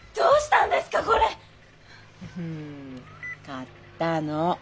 買ったの。